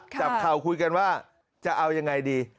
เข่าคุยกันว่าจะเอายังไงดี